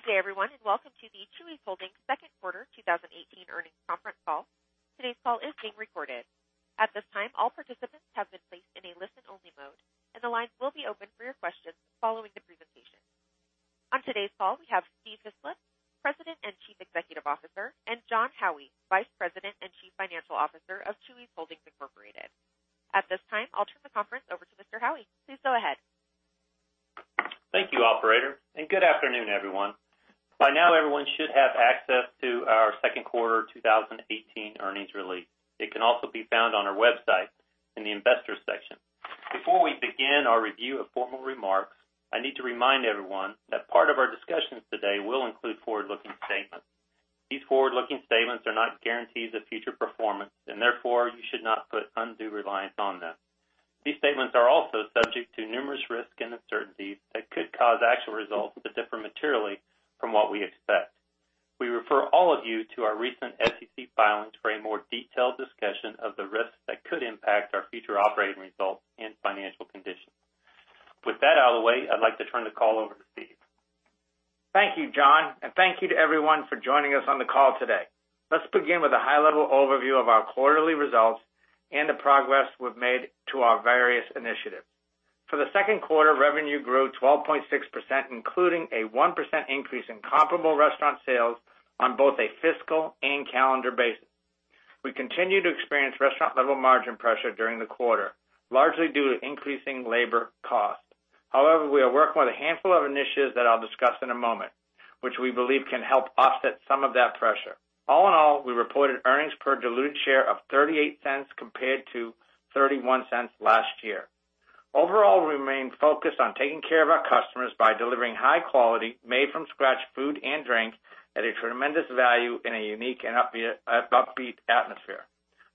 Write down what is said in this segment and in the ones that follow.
Good day, everyone, and welcome to the Chuy's Holdings second quarter 2018 earnings conference call. Today's call is being recorded. At this time, all participants have been placed in a listen-only mode, and the lines will be open for your questions following the presentation. On today's call, we have Steve Hislop, President and Chief Executive Officer, and Jon Howie, Vice President and Chief Financial Officer of Chuy's Holdings Incorporated. At this time, I'll turn the conference over to Mr. Howie. Please go ahead. Thank you, operator, and good afternoon, everyone. By now, everyone should have access to our second quarter 2018 earnings release. It can also be found on our website in the Investors section. Before we begin our review of formal remarks, I need to remind everyone that part of our discussions today will include forward-looking statements. These forward-looking statements are not guarantees of future performance, therefore, you should not put undue reliance on them. These statements are also subject to numerous risks and uncertainties that could cause actual results to differ materially from what we expect. We refer all of you to our recent SEC filings for a more detailed discussion of the risks that could impact our future operating results and financial conditions. With that out of the way, I'd like to turn the call over to Steve. Thank you, Jon, and thank you to everyone for joining us on the call today. Let's begin with a high-level overview of our quarterly results and the progress we've made to our various initiatives. For the second quarter, revenue grew 12.6%, including a 1% increase in comparable restaurant sales on both a fiscal and calendar basis. We continued to experience restaurant-level margin pressure during the quarter, largely due to increasing labor costs. We are working with a handful of initiatives that I'll discuss in a moment, which we believe can help offset some of that pressure. All in all, we reported earnings per diluted share of $0.38 compared to $0.31 last year. Overall, we remain focused on taking care of our customers by delivering high quality, made-from-scratch food and drink at a tremendous value in a unique and upbeat atmosphere.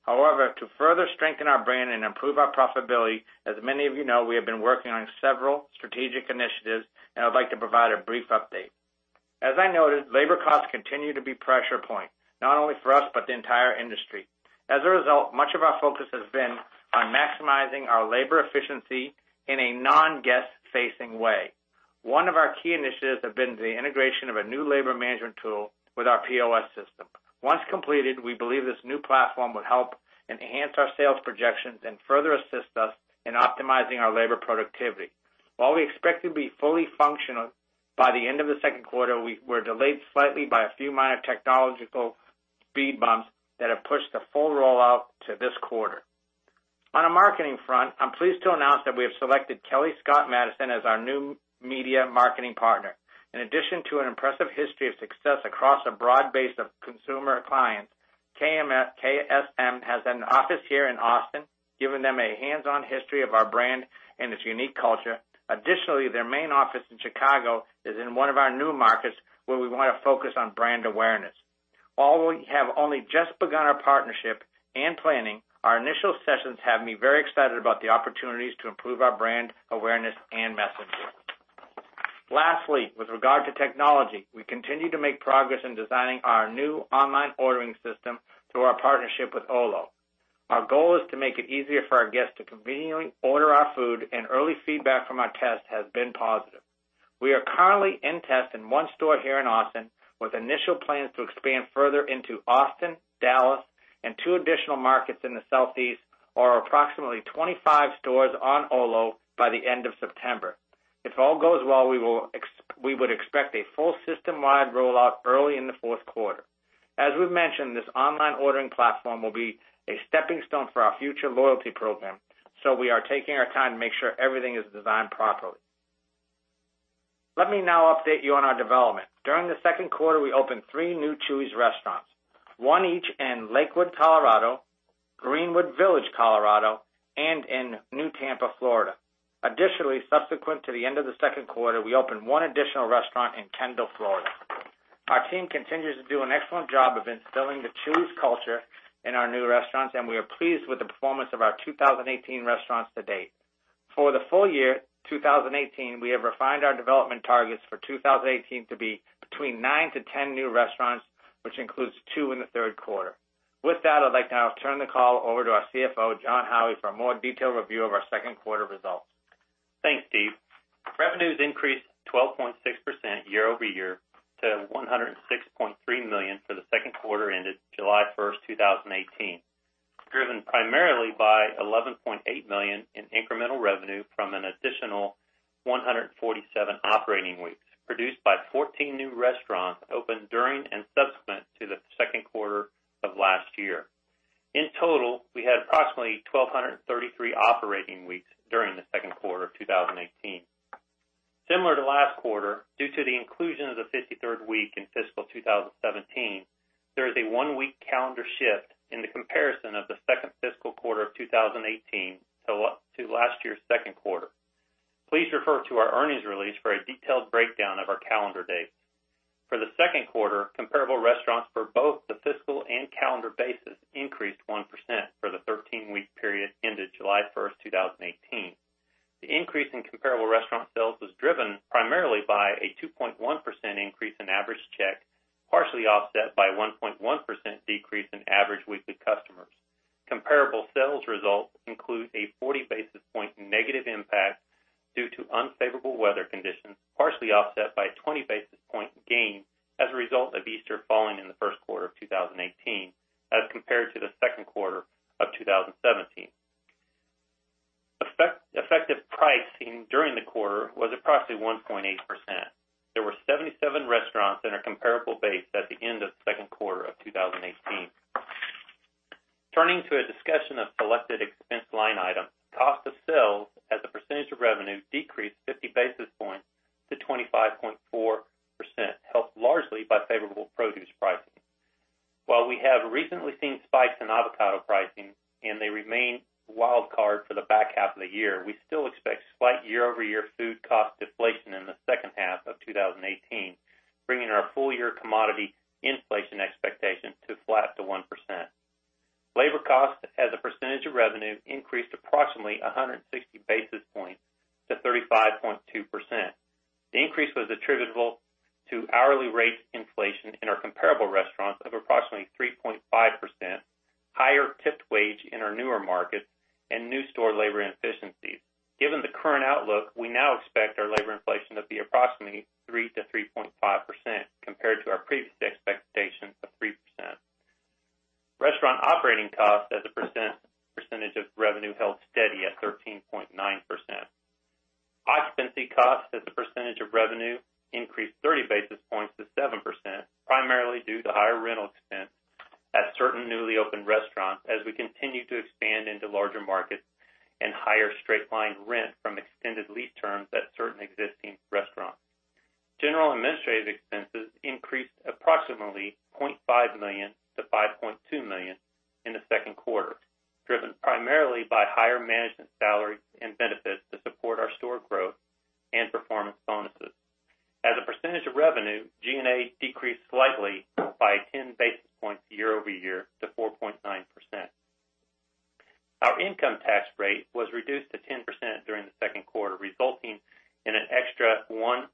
To further strengthen our brand and improve our profitability, as many of you know, we have been working on several strategic initiatives, and I'd like to provide a brief update. As I noted, labor costs continue to be a pressure point, not only for us but the entire industry. Much of our focus has been on maximizing our labor efficiency in a non-guest facing way. One of our key initiatives have been the integration of a new labor management tool with our POS system. Once completed, we believe this new platform will help enhance our sales projections and further assist us in optimizing our labor productivity. While we expect to be fully functional by the end of the second quarter, we were delayed slightly by a few minor technological speed bumps that have pushed the full rollout to this quarter. On a marketing front, I'm pleased to announce that we have selected Kelly Scott Madison as our new media marketing partner. In addition to an impressive history of success across a broad base of consumer clients, KSM has an office here in Austin, giving them a hands-on history of our brand and its unique culture. Additionally, their main office in Chicago is in one of our new markets where we want to focus on brand awareness. Although we have only just begun our partnership and planning, our initial sessions have me very excited about the opportunities to improve our brand awareness and messaging. Lastly, with regard to technology, we continue to make progress in designing our new online ordering system through our partnership with Olo. Our goal is to make it easier for our guests to conveniently order our food, and early feedback from our test has been positive. We are currently in test in one store here in Austin, with initial plans to expand further into Austin, Dallas, and two additional markets in the Southeast or approximately 25 stores on Olo by the end of September. If all goes well, we would expect a full system-wide rollout early in the fourth quarter. As we've mentioned, this online ordering platform will be a stepping stone for our future loyalty program, so we are taking our time to make sure everything is designed properly. Let me now update you on our development. During the second quarter, we opened three new Chuy's restaurants, one each in Lakewood, Colorado, Greenwood Village, Colorado, and in New Tampa, Florida. Additionally, subsequent to the end of the second quarter, we opened one additional restaurant in Kendall, Florida. Our team continues to do an excellent job of instilling the Chuy's culture in our new restaurants, and we are pleased with the performance of our 2018 restaurants to date. For the full year 2018, we have refined our development targets for 2018 to be between nine to 10 new restaurants, which includes two in the third quarter. With that, I'd like to now turn the call over to our CFO, Jon Howie, for a more detailed review of our second quarter results. Thanks, Steve. Revenues increased 12.6% year-over-year to $106.3 million for the second quarter ended July 1, 2018, driven primarily by $11.8 million in incremental revenue from an additional 147 operating weeks produced by 14 new restaurants opened during and subsequent to the second quarter of last year. In total, we had approximately 1,233 operating weeks during the second quarter of 2018. Similar to last quarter, due to the inclusion of the 53rd week in fiscal 2017, there is a one-week calendar shift in the comparison of the second fiscal quarter of 2018 to last year's second quarter. Please refer to our earnings release for a detailed breakdown of our calendar dates. For the second quarter, comparable restaurants for both the fiscal and calendar basis increased 1% for the 13-week period ended July 1, 2018. The increase in comparable restaurant sales was driven primarily by a 2.1% increase in average check, partially offset by a 1.1% decrease in average weekly customers. Comparable sales results include a 40 basis point negative impact due to unfavorable weather conditions, partially offset by a 20 basis point gain as a result of Easter falling in the first quarter of 2018 as compared to the second quarter of 2017. Effective pricing during the quarter was approximately 1.8%. There were 77 restaurants in our comparable base at the end of the second quarter of 2018. Turning to a discussion of selected expense line items. Cost of sales as a percentage of revenue decreased 50 basis points to 25.4%, helped largely by favorable produce pricing. While we have recently seen spikes in avocado pricing and they remain a wild card for the back half of the year, we still expect slight year-over-year food cost deflation in the second half of 2018, bringing our full year commodity inflation expectation to flat to 1%. Labor cost as a percentage of revenue increased approximately 160 basis points to 35.2%. The increase was attributable to hourly rate inflation in our comparable restaurants of approximately 3.5%, higher tipped wage in our newer markets, and new store labor efficiencies. Given the current outlook, we now expect our labor inflation to be approximately 3%-3.5%, compared to our previous expectation of 3%. Restaurant operating costs as a percentage of revenue held steady at 13.9%. Occupancy costs as a percentage of revenue increased 30 basis points to 7%, primarily due to higher rental expense at certain newly opened restaurants as we continue to expand into larger markets and higher straight-line rent from extended lease terms at certain existing restaurants. General and administrative expenses increased approximately $0.5 million to $5.2 million in the second quarter, driven primarily by higher management salaries and benefits to support our store growth and performance bonuses. As a percentage of revenue, G&A decreased slightly by 10 basis points year-over-year to 4.9%. Our income tax rate was reduced to 10% during the second quarter, resulting in an extra $0.01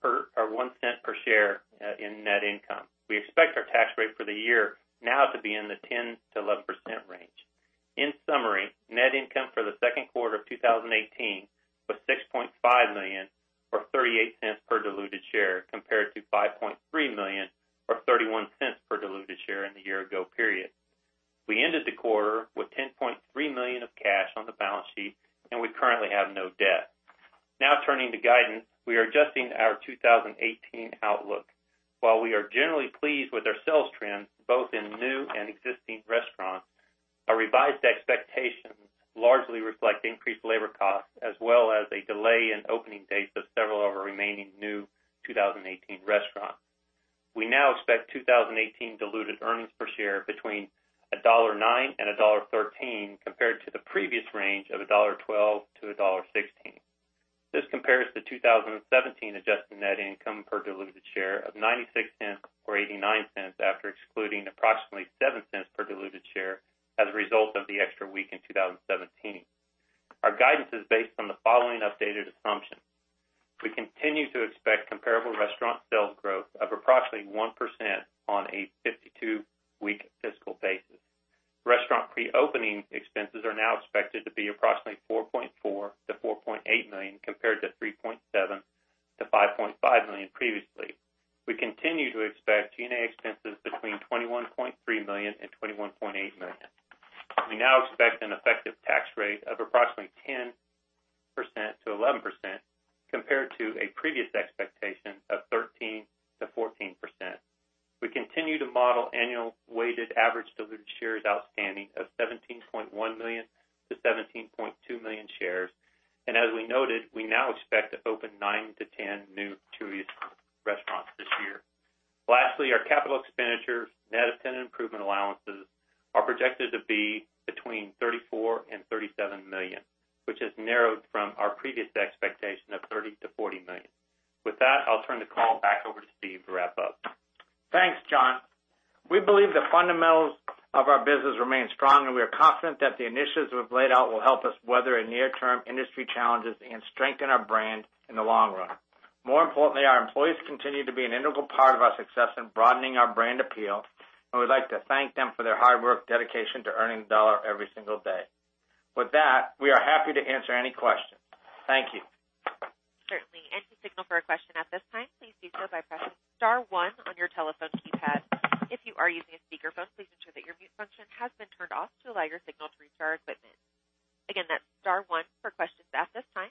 per share in net income. We expect our tax rate for the year now to be in the 10%-11% range. In summary, net income for the second quarter of 2018 was $6.5 million or $0.38 per diluted share, compared to $5.3 million or $0.31 per diluted share in the year ago period. We ended the quarter with $10.3 million of cash on the balance sheet, and we currently have no debt. Turning to guidance, we are adjusting our 2018 outlook. While we are generally pleased with our sales trends, both in new and existing restaurants, our revised expectations largely reflect increased labor costs as well as a delay in opening dates of several of our remaining new 2018 restaurants. We now expect 2018 diluted earnings per share between $1.09 and $1.13, compared to the previous range of $1.12-$1.16. This compares to 2017 adjusted net income per diluted share of $0.96 or $0.89 after excluding approximately $0.07 per diluted share as a result of the extra week in 2017. Our guidance is based on the following updated assumptions. We continue to expect comparable restaurant sales growth of approximately 1% on a 52-week fiscal basis. Restaurant pre-opening expenses are now expected to be approximately $4.4 million to $4.8 million, compared to $3.7 million to $5.5 million previously. We continue to expect G&A expenses between $21.3 million and $21.8 million. We now expect an effective tax rate of approximately 10%-11%, compared to a previous expectation of 13%-14%. We continue to model annual weighted average diluted shares outstanding of 17.1 million to 17.2 million shares. As we noted, we now expect to open 9 to 10 new Chuy's restaurants this year. Lastly, our capital expenditures, net of tenant improvement allowances, are projected to be between $34 million and $37 million, which has narrowed from our previous expectation of $30 million to $40 million. With that, I'll turn the call back over to Steve to wrap up. Thanks, Jon. We believe the fundamentals of our business remain strong, and we are confident that the initiatives we've laid out will help us weather near-term industry challenges and strengthen our brand in the long run. More importantly, our employees continue to be an integral part of our success in broadening our brand appeal, and we'd like to thank them for their hard work, dedication to earning dollar every single day. With that, we are happy to answer any questions. Thank you. Certainly. Any signal for a question at this time, please do so by pressing star one on your telephone keypad. If you are using a speakerphone, please ensure that your mute function has been turned off to allow your signal to reach our equipment. Again, that's star one for questions at this time.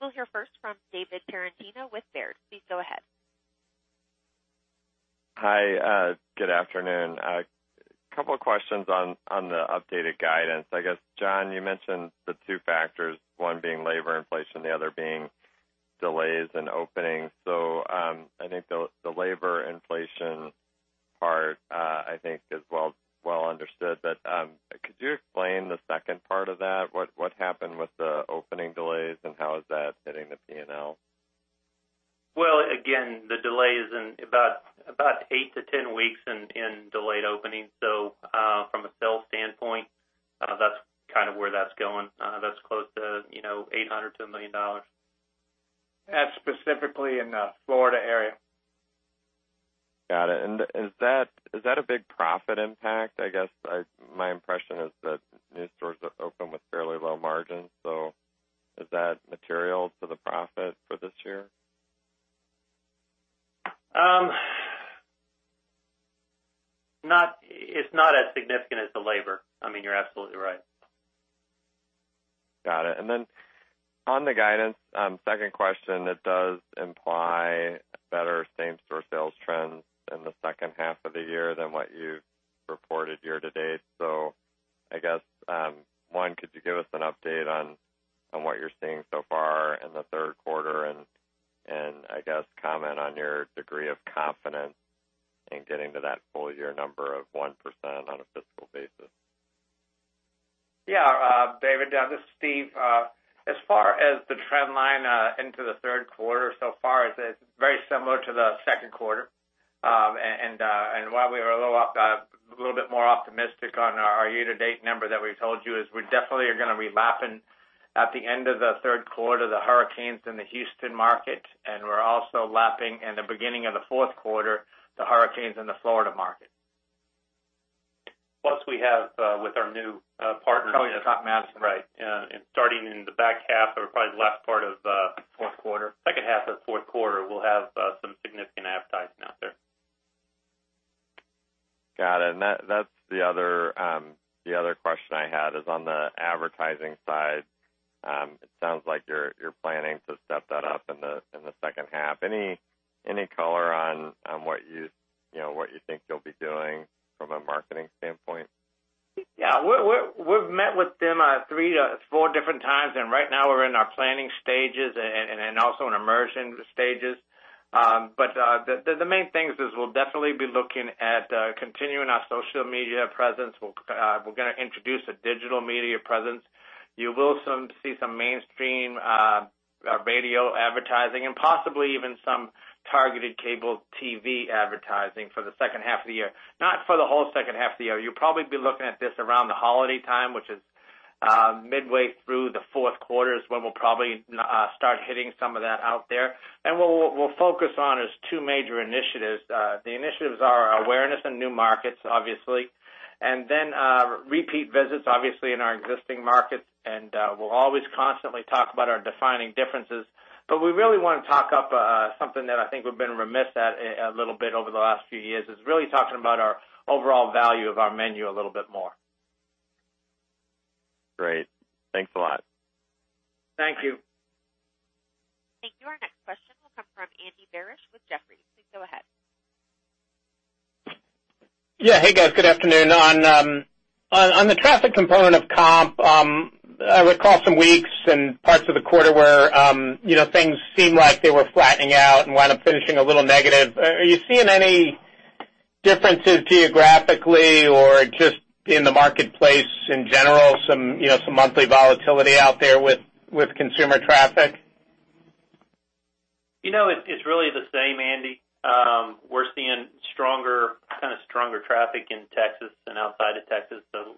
We'll hear first from David Tarantino with Baird. Please go ahead. Hi. Good afternoon. A couple of questions on the updated guidance. I guess, Jon, you mentioned the two factors, one being labor inflation, the other being delays in openings. I think the labor inflation part is well understood. Could you explain the second part of that? What happened with the opening delays, and how is that hitting the P&L? Well, again, the delay is in about eight to 10 weeks in delayed openings. From a sales standpoint Where that's going. That's close to $800,000-$1 million. That's specifically in the Florida area. Got it. Is that a big profit impact? I guess, my impression is that new stores open with fairly low margins. Is that material to the profit for this year? It's not as significant as the labor. You're absolutely right. Got it. On the guidance, second question, it does imply better same-store sales trends in the second half of the year than what you've reported year-to-date. I guess, one, could you give us an update on what you're seeing so far in the third quarter and, I guess, comment on your degree of confidence in getting to that full-year number of 1% on a fiscal basis? Yeah. David, this is Steve. As far as the trend line into the third quarter so far, it's very similar to the second quarter. Why we were a little bit more optimistic on our year-to-date number that we told you is we definitely are going to be lapping at the end of the third quarter, the hurricanes in the Houston market, and we're also lapping in the beginning of the fourth quarter, the hurricanes in the Florida market. We have with our new partners- [inaudible] Madison. Right. Starting in the back half or probably the last part of- Fourth quarter second half of fourth quarter, we'll have some significant advertising out there. Got it. That's the other question I had is on the advertising side. It sounds like you're planning to step that up in the second half. Any color on what you think you'll be doing from a marketing standpoint? We've met with them three to four different times, and right now we're in our planning stages and also in immersion stages. The main thing is we'll definitely be looking at continuing our social media presence. We're going to introduce a digital media presence. You will see some mainstream radio advertising and possibly even some targeted cable TV advertising for the second half of the year. Not for the whole second half of the year. You'll probably be looking at this around the holiday time, which is midway through the fourth quarter is when we'll probably start hitting some of that out there. What we'll focus on is two major initiatives. The initiatives are awareness in new markets, obviously, and then repeat visits, obviously in our existing markets, and we'll always constantly talk about our defining differences. We really want to talk up something that I think we've been remiss at a little bit over the last few years, is really talking about our overall value of our menu a little bit more. Great. Thanks a lot. Thank you. Thank you. Our next question will come from Andy Barish with Jefferies. Please go ahead. Yeah. Hey, guys. Good afternoon. On the traffic component of comp, I recall some weeks and parts of the quarter where things seemed like they were flattening out and wound up finishing a little negative. Are you seeing any differences geographically or just in the marketplace in general, some monthly volatility out there with consumer traffic? It's really the same, Andy. We're seeing kind of stronger traffic in Texas, outside of Texas, so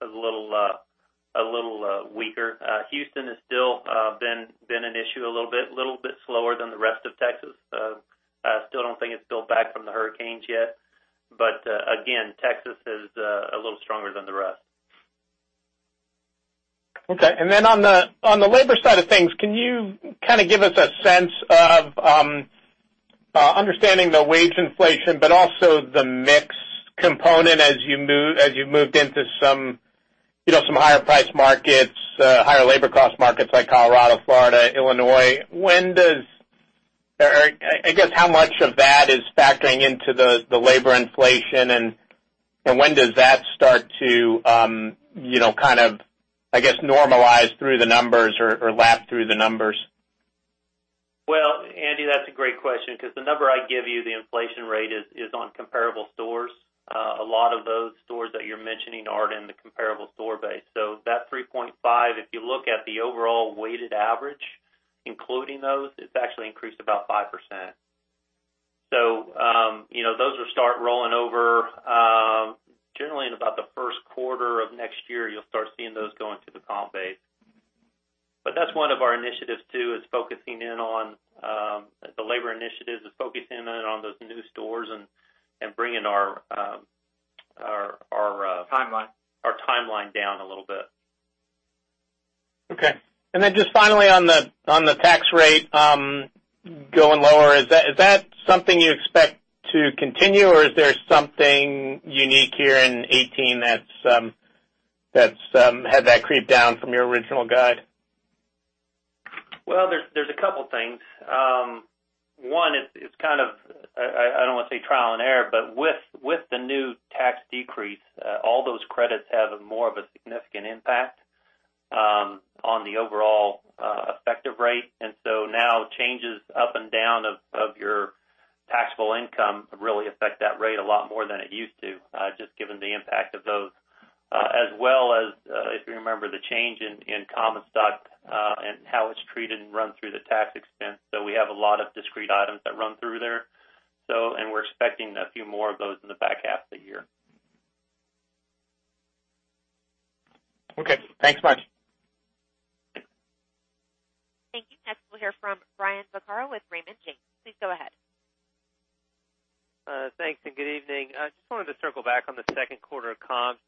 it's a little weaker. Houston has still been an issue a little bit, a little bit slower than the rest of Texas. Still don't think it's built back from the hurricanes yet. Again, Texas is a little stronger than the rest. Okay. Then on the labor side of things, can you kind of give us a sense of understanding the wage inflation, also the mix component as you moved into some higher price markets, higher labor cost markets like Colorado, Florida, Illinois. I guess, how much of that is factoring into the labor inflation, when does that start to, I guess, normalize through the numbers or lap through the numbers? Well, Andy, that's a great question because the number I give you, the inflation rate, is on comparable stores. A lot of those stores that you're mentioning aren't in the comparable store base. That 3.5%, if you look at the overall weighted average, including those, it's actually increased about 5%. Those will start rolling over. Generally in about the first quarter of next year, you'll start seeing those go into the comp base. That's one of our initiatives too, is focusing in on the labor initiatives, is focusing in on those new stores and bringing our- Timeline our timeline down a little bit. Okay. Just finally on the tax rate going lower, is that something you expect to continue, or is there something unique here in 2018 that's had that creep down from your original guide? Well, there's a couple of things. One, it's kind of, I don't want to say trial and error, but with the new tax decrease, all those credits have a more of a significant impact on the overall effective rate. Now changes up and down of your taxable income really affect that rate a lot more than it used to, just given the impact of those. As well as, if you remember the change in common stock and how it's treated and run through the tax expense. We have a lot of discrete items that run through there. We're expecting a few more of those in the back half of the year. Okay. Thanks much. Thank you. Next we'll hear from Brian Vaccaro with Raymond James. Please go ahead. Thanks and good evening. Just wanted to circle back on the second quarter comps.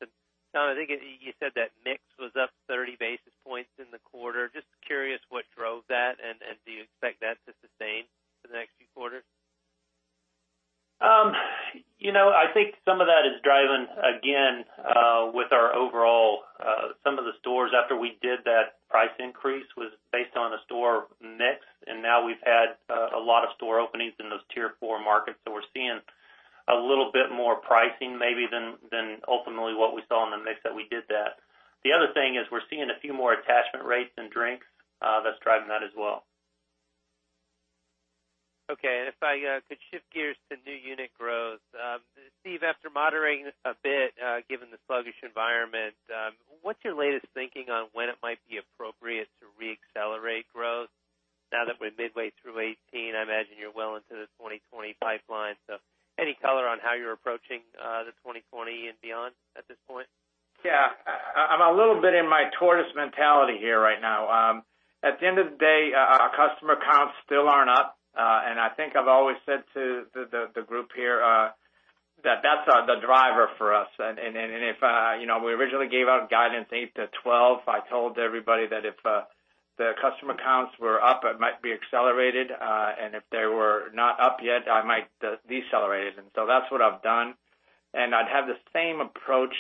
Jon, I think you said that mix was up 30 basis points in the quarter. Just curious what drove that and, do you expect that to sustain for the next few quarters? I think some of that is driven, again, with our overall, some of the stores after we did that price increase was based on a store mix, and now we've had a lot of store openings in those tier 4 markets. We're seeing a little bit more pricing maybe than ultimately what we saw in the mix that we did that. The other thing is we're seeing a few more attachment rates in drinks. That's driving that as well. Okay. If I could shift gears to new unit growth. Steve, after moderating a bit, given the sluggish environment, what's your latest thinking on when it might be appropriate to re-accelerate growth now that we're midway through 2018? I imagine you're well into the 2020 pipeline. Any color on how you're approaching the 2020 and beyond at this point? Yeah. I'm a little bit in my tortoise mentality here right now. At the end of the day, our customer counts still aren't up. I think I've always said to the group here, that's the driver for us. We originally gave out guidance 8 to 12. I told everybody that if the customer counts were up, it might be accelerated. If they were not up yet, I might decelerate it. That's what I've done. I'd have the same approach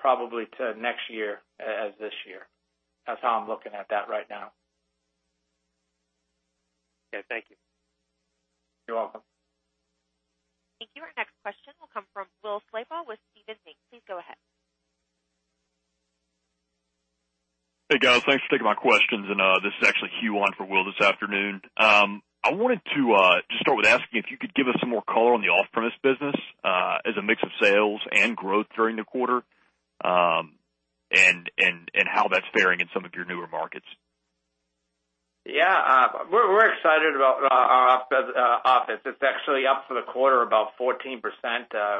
probably to next year as this year. That's how I'm looking at that right now. Okay. Thank you. You're welcome. Thank you. Our next question will come from Will Slabaugh with Stephens Inc.. Please go ahead. Hey, guys. Thanks for taking my questions, this is actually Q1 for Will this afternoon. I wanted to just start with asking if you could give us some more color on the off-premise business, as a mix of sales and growth during the quarter, and how that's faring in some of your newer markets. Yeah. We're excited about our off-premise. It's actually up for the quarter about 14%.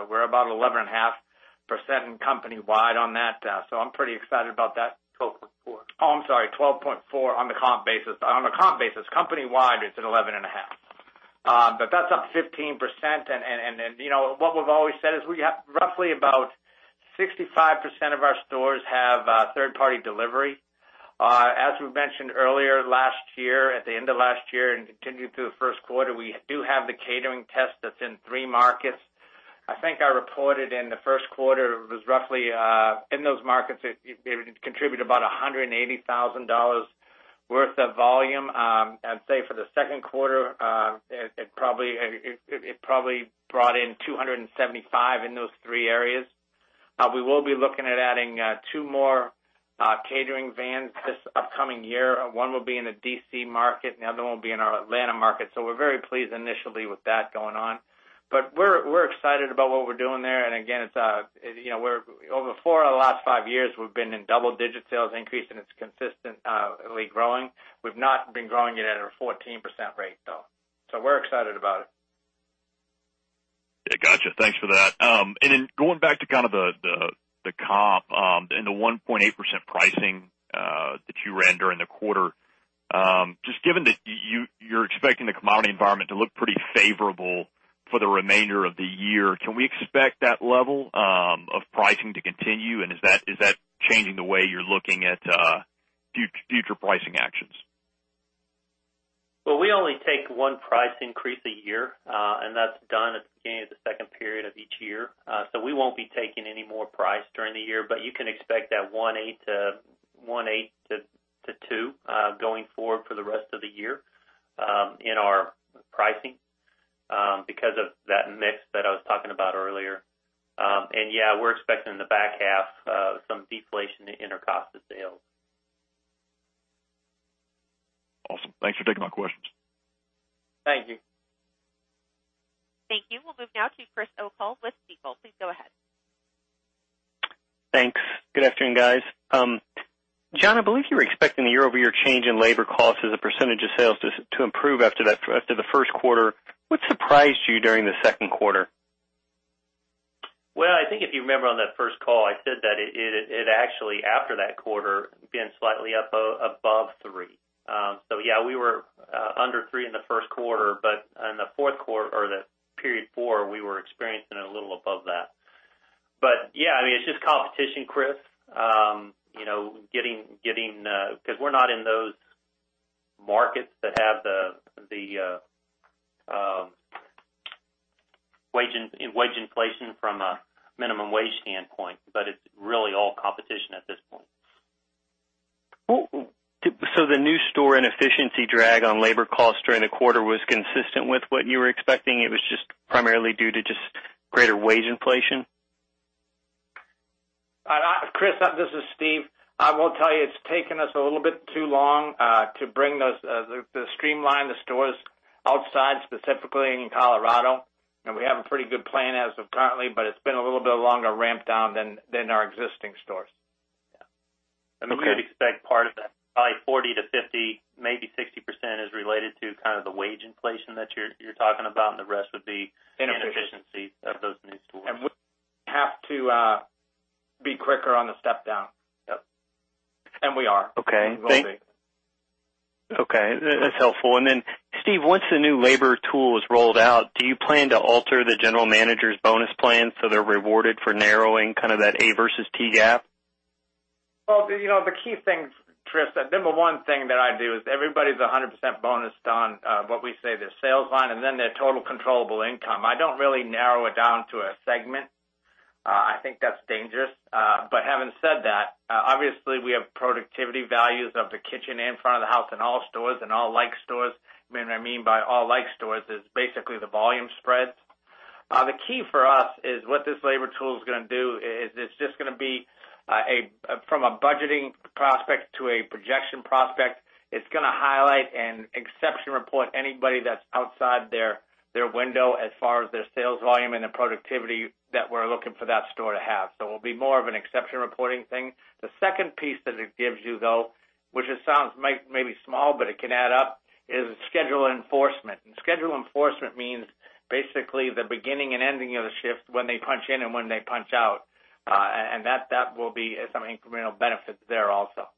We're about 11.5% company-wide on that. I'm pretty excited about that. 12.4. Oh, I'm sorry, 12.4 on the comp basis. On a comp basis. Company-wide, it's at 11.5. That's up 15%. What we've always said is we have roughly about 65% of our stores have third-party delivery. As we mentioned earlier last year, at the end of last year and continuing through the first quarter, we do have the catering test that's in three markets. I think I reported in the first quarter, it was roughly, in those markets, it contributed about $180,000 worth of volume. I'd say for the second quarter, it probably brought in $275,000 in those three areas. We will be looking at adding two more catering vans this upcoming year. One will be in the D.C. market, and the other one will be in our Atlanta market. We're very pleased initially with that going on. We're excited about what we're doing there, and again, over four out of the last five years, we've been in double-digit sales increase, and it's consistently growing. We've not been growing it at a 14% rate, though. We're excited about it. Yeah. Got you. Thanks for that. Going back to kind of the comp, and the 1.8% pricing that you ran during the quarter. Just given that you're expecting the commodity environment to look pretty favorable for the remainder of the year, can we expect that level of pricing to continue? Is that changing the way you're looking at future pricing actions? Well, we only take one price increase a year. That's done at the beginning of the second period of each year. We won't be taking any more price during the year, but you can expect that 1.8%-2% going forward for the rest of the year in our pricing because of that mix that I was talking about earlier. Yeah, we're expecting in the back half, some deflation in our cost of sales. Awesome. Thanks for taking my questions. Thank you. Thank you. We'll move now to Chris O'Cull with Stifel. Please go ahead. Thanks. Good afternoon, guys. John, I believe you were expecting the year-over-year change in labor costs as a percentage of sales to improve after the first quarter. What surprised you during the second quarter? Well, I think if you remember on that first call, I said that it actually, after that quarter, been slightly up above three. Yeah, we were under three in the first quarter, in the period four, we were experiencing it a little above that. Yeah, it's just competition, Chris. We're not in those markets that have the wage inflation from a minimum wage standpoint, it's really all competition at this point. The new store and efficiency drag on labor costs during the quarter was consistent with what you were expecting. It was just primarily due to just greater wage inflation? Chris, this is Steve. I will tell you, it's taken us a little bit too long to streamline the stores outside, specifically in Colorado. We have a pretty good plan as of currently, but it's been a little bit longer ramp down than our existing stores. Yeah. We would expect part of that, probably 40%-50%, maybe 60% is related to kind of the wage inflation that you're talking about, and the rest would be. Inefficiency inefficiencies of those new stores. We have to be quicker on the step down. Yep. We are. Okay. We will be. Okay. That's helpful. Then Steve, once the new labor tool is rolled out, do you plan to alter the general manager's bonus plan so they're rewarded for narrowing that Actual versus Target gap? The key things, Chris, the number one thing that I do is everybody's 100% bonused on what we say their sales line and then their total controllable income. I don't really narrow it down to a segment. I think that's dangerous. Having said that, obviously we have productivity values of the kitchen and front of the house in all stores and all like stores. What I mean by all like stores is basically the volume spreads. The key for us is what this labor tool is going to do is it's just going to be, from a budgeting prospect to a projection prospect. It's going to highlight and exception report anybody that's outside their window as far as their sales volume and the productivity that we're looking for that store to have. It'll be more of an exception reporting thing. The second piece that it gives you, though, which it sounds maybe small, but it can add up, is schedule enforcement. Schedule enforcement means basically the beginning and ending of the shift when they punch in and when they punch out. That will be some incremental benefits there also.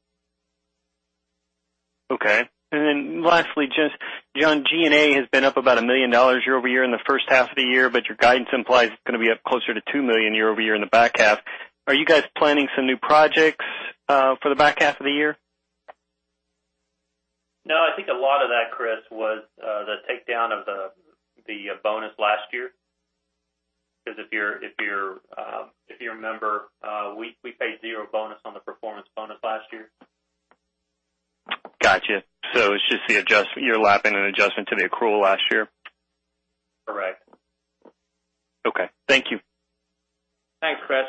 Okay. Lastly, just Jon, G&A has been up about $1 million year-over-year in the first half of the year, your guidance implies it's going to be up closer to $2 million year-over-year in the back half. Are you guys planning some new projects for the back half of the year? No, I think a lot of that, Chris O'Cull, was the takedown of the bonus last year. If you remember, we paid zero bonus on the performance bonus last year. Got you. It's just you're lapping an adjustment to the accrual last year? Correct. Okay. Thank you. Thanks, Chris.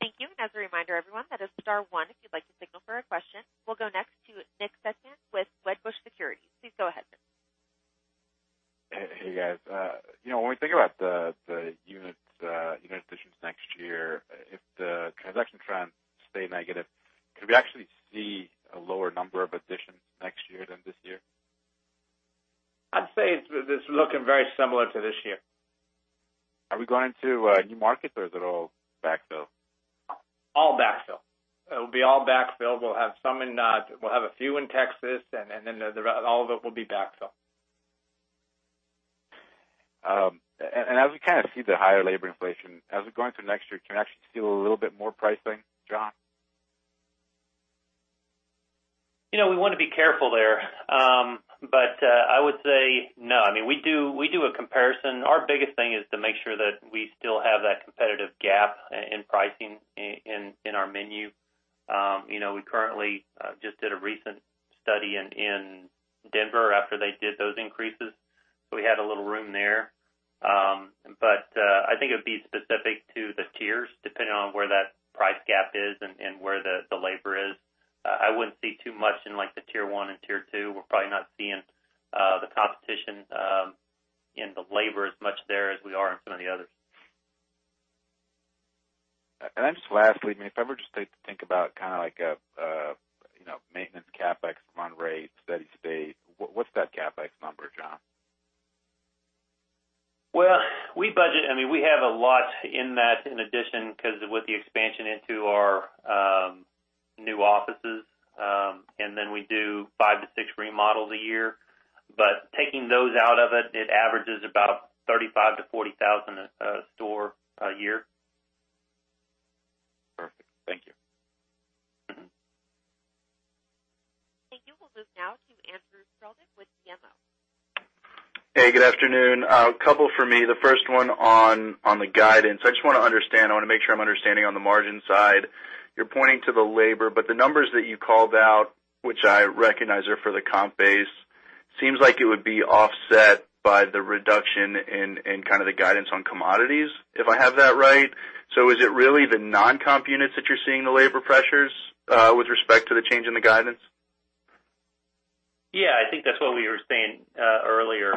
Thank you. As a reminder, everyone, that is star one if you'd like to signal for a question. We'll go next to Nick Setyan with Wedbush Securities. Please go ahead, Nick. Hey, guys. When we think about the unit additions next year, if the transaction trends stay negative, could we actually see a lower number of additions next year than this year? I'd say it's looking very similar to this year. Are we going to new markets or is it all backfill? All backfill. It'll be all backfill. We'll have a few in Texas and then all of it will be backfill. As we kind of see the higher labor inflation, as we go into next year, can we actually see a little bit more pricing, John? We want to be careful there. I would say no. We do a comparison. Our biggest thing is to make sure that we still have that competitive gap in pricing in our menu. We currently just did a recent study in Denver after they did those increases, so we had a little room there. I think it would be specific to the tiers, depending on where that price gap is and where the labor is. I wouldn't see too much in the tier 1 and tier 2. We're probably not seeing the competition in the labor as much there as we are in some of the others. Just lastly, if I were just to think about kind of like a maintenance CapEx run rate, steady state, what's that CapEx number, Jon? We have a lot in that in addition because with the expansion into our new offices, we do five to six remodels a year. Taking those out of it averages about $35,000 to $40,000 a store a year. Perfect. Thank you. We'll move now to Andrew Strelzik with BMO. Hey, good afternoon. A couple for me. The first one on the guidance. I just want to understand, I want to make sure I'm understanding on the margin side. You're pointing to the labor, but the numbers that you called out, which I recognize are for the comp base, seems like it would be offset by the reduction in kind of the guidance on commodities, if I have that right. Is it really the non-comp units that you're seeing the labor pressures, with respect to the change in the guidance? Yeah, I think that's what we were saying earlier.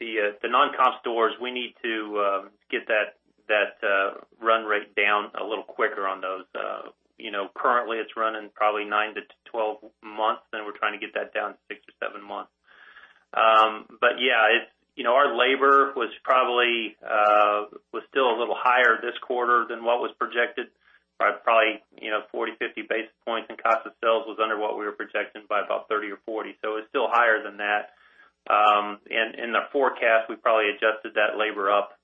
The non-comp stores, we need to get that run rate down a little quicker on those. Currently it's running probably 9 to 12 months, and we're trying to get that down to six or seven months. Yeah, our labor was still a little higher this quarter than what was projected by probably 40, 50 basis points, and cost of sales was under what we were projecting by about 30 or 40. It's still higher than that. In the forecast, we probably adjusted that labor up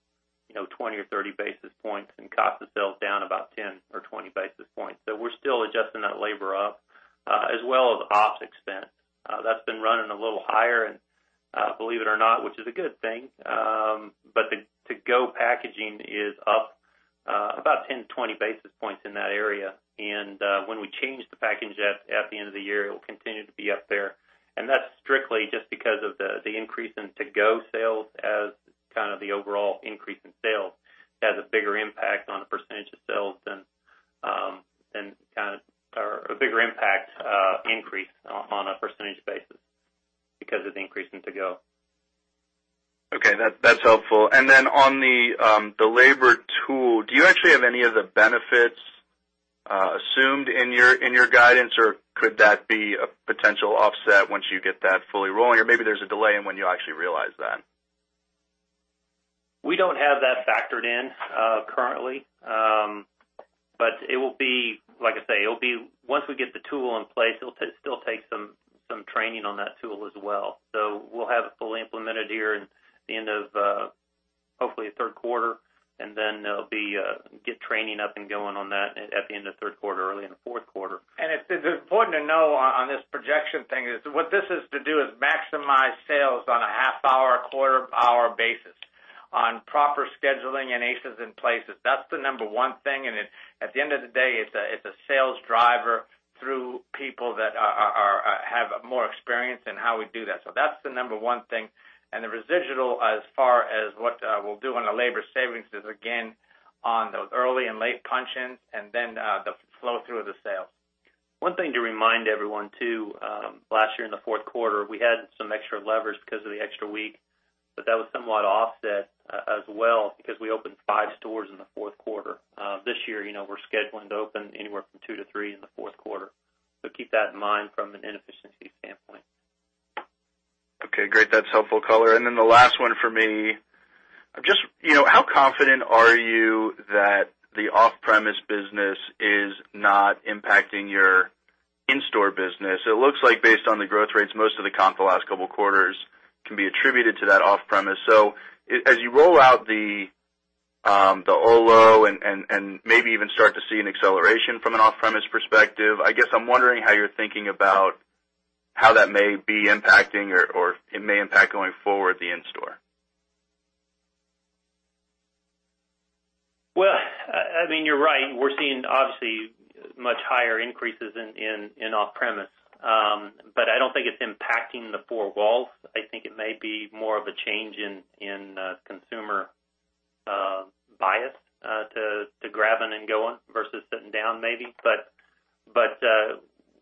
20 or 30 basis points and cost of sales down about 10 or 20 basis points. We're still adjusting that labor up, as well as ops expense. That's been running a little higher, and believe it or not, which is a good thing. The to-go packaging is up about 10 to 20 basis points in that area. When we change the packaging at the end of the year, it will continue to be up there. That's strictly just because of the increase in to-go sales as kind of the overall increase in sales. It has a bigger impact on the percentage of sales or a bigger impact increase on a percentage basis because it's increasing to-go. Okay. That's helpful. On the labor tool, do you actually have any of the benefits assumed in your guidance, or could that be a potential offset once you get that fully rolling? Maybe there's a delay in when you actually realize that. We don't have that factored in currently. Like I say, once we get the tool in place, it'll still take some training on that tool as well. We'll have it fully implemented here in the end of, hopefully, third quarter, and then get training up and going on that at the end of third quarter, early in the fourth quarter. It's important to know on this projection thing, is what this is to do is maximize sales on a half-hour, quarter-hour basis on proper scheduling and Aces in Places. That's the number one thing, and at the end of the day, it's a sales driver through people that have more experience in how we do that. That's the number one thing. The residual, as far as what we'll do on the labor savings, is again, on those early and late punch-ins, and then the flow through of the sales. One thing to remind everyone, too, last year in the fourth quarter, we had some extra levers because of the extra week, but that was somewhat offset as well because we opened five stores in the fourth quarter. This year, we're scheduling to open anywhere from two to three in the fourth quarter. Keep that in mind from an inefficiency standpoint. Okay, great. That's helpful color. The last one for me. How confident are you that the off-premise business is not impacting your in-store business? It looks like based on the growth rates, most of the comp the last couple of quarters can be attributed to that off-premise. As you roll out the Olo and maybe even start to see an acceleration from an off-premise perspective, I guess I'm wondering how you're thinking about how that may be impacting, or it may impact going forward, the in-store. Well, you're right. We're seeing obviously much higher increases in off-premise. I don't think it's impacting the four walls. I think it may be more of a change in consumer bias to grabbing and going versus sitting down maybe.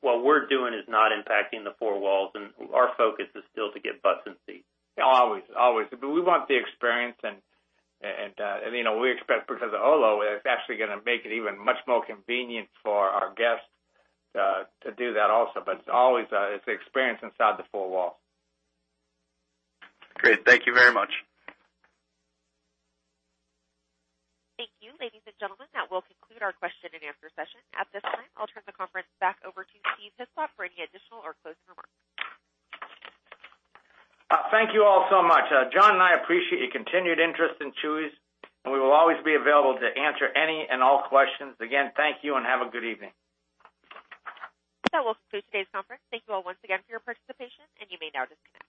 What we're doing is not impacting the four walls, and our focus is still to get butts in seats. Always. Always. We want the experience, and we expect because of Olo, it's actually going to make it even much more convenient for our guests to do that also. It's always the experience inside the four walls. Great. Thank you very much. Thank you. Ladies and gentlemen, that will conclude our question and answer session. At this time, I'll turn the conference back over to Steve Hislop for any additional or closing remarks. Thank you all so much. Jon and I appreciate your continued interest in Chuy's, and we will always be available to answer any and all questions. Again, thank you and have a good evening. That will conclude today's conference. Thank you all once again for your participation, and you may now disconnect.